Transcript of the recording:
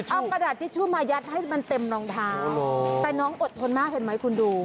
เอากระดาษทิชชู่มายัดให้มันเต็มรองเท้าแต่น้องอดทนมากเห็นไหมคุณดู